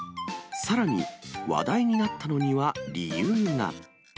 さらに、話題になったのには理由が。